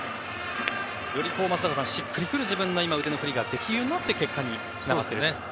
より松坂さん、しっくり来る今の腕の振りにできるようになって結果につながっていると。